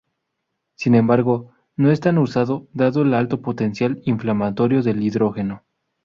Sin embargo no es tan usado dado el alto potencial inflamatorio del hidrógeno.